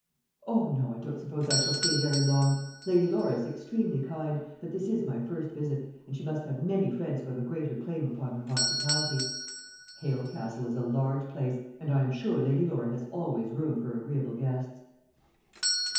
"O no, I don't suppose I shall stay very long. Lady Laura is extremely kind; but this is my first visit, and she must have many friends who have a greater claim upon her hospitality." "Hale Castle is a large place, and I am sure Lady Laura has always room for agreeable guests."